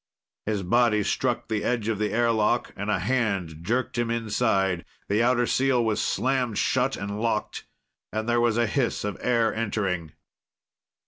His body struck the edge of the airlock and a hand jerked him inside. The outer seal was slammed shut and locked, and there was a hiss of air entering.